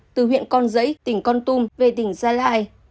từ huyện con giấy tỉnh con tum về tỉnh gia lai